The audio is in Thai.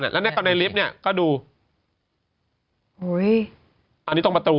เนี่ยแล้วเนี่ยกับในลิฟต์เนี่ยก็ดูอุ้ยอันนี้ตรงประตู